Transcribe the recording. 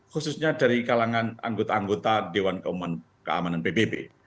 khususnya dari kalangan anggota anggota dewan keamanan pbb